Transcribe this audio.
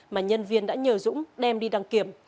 mà nhân viên đã nhờ dũng đem đi đăng kiểm